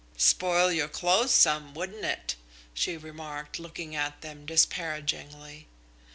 "Spoil your clothes some, wouldn't it?" she remarked, looking at them disparagingly.